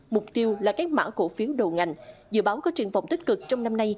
mục tiêu là các mã cổ phiếu đầu ngành dự báo có truyền vọng tích cực trong năm nay